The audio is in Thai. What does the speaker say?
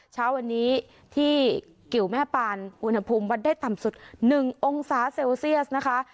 เช้าวันนี้ที่เกี่ยวแม่ปานวนทับมุมวันได้ต่ำสุด๑องศาเซลเซียสนะคะ